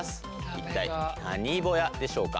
一体何ボヤでしょうか？